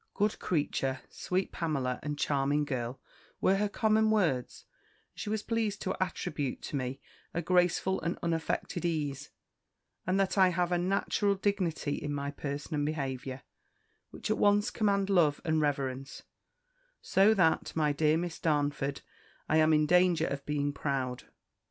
Good Creature, Sweet Pamela, and Charming Girl, were her common words; and she was pleased to attribute to me a graceful and unaffected ease, and that I have a natural dignity in my person and behaviour, which at once command love and reverence; so that, my dear Miss Darnford, I am in danger of being proud.